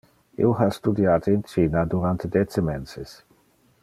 Io ha studiate in China durante dece menses.